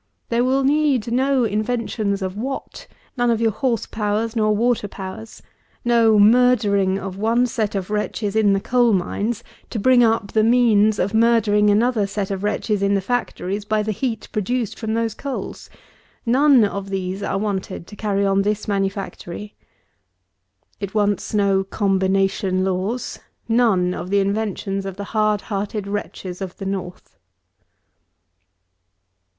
There will need no inventions of WATT; none of your horse powers, nor water powers; no murdering of one set of wretches in the coal mines, to bring up the means of murdering another set of wretches in the factories, by the heat produced from those coals; none of these are wanted to carry on this manufactory. It wants no combination laws; none of the inventions of the hard hearted wretches of the North.